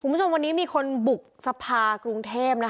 คุณผู้ชมวันนี้มีคนบุกสภากรุงเทพ